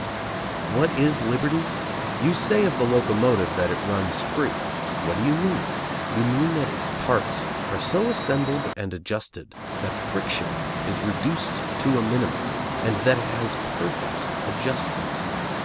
What it liberty? You say of the locomotive that it runs free. What do you mean? You mean that its parts are so assembled and adjusted that friction is reduced to a minimum, and that it has perfect adjustment.